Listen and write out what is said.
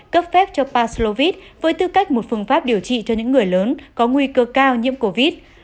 cấp phép cho paslovit với tư cách một phương pháp điều trị cho những người lớn có nguy cơ cao nhiễm covid